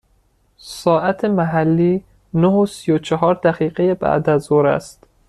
ساعت محلی نه و سی و چهار دقیقه بعد از ظهر است.